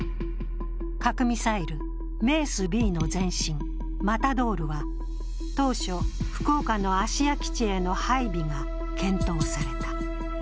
核ミサイル・メースＢの前身マタドールは、当初、福岡の芦屋基地への配備が検討された。